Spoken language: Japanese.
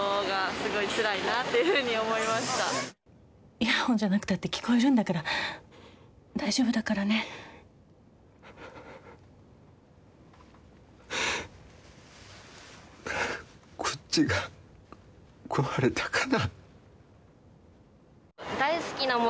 イヤホンじゃなくたって聞こえるんだからこっちが壊れたかな。